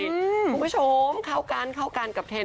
คุณผู้ชมเข้ากันเข้ากันกับเทน